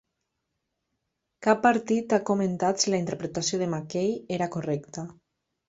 Cap partit ha comentat si la interpretació de McCay era correcta.